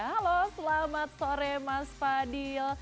halo selamat sore mas fadil